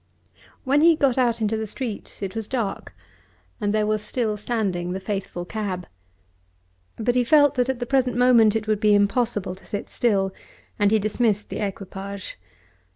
When he got out into the street it was dark and there was still standing the faithful cab. But he felt that at the present moment it would be impossible to sit still, and he dismissed the equipage.